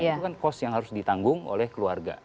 itu kan kos yang harus ditanggung oleh keluarga